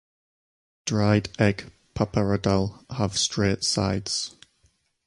Dried egg pappardelle have straight sides.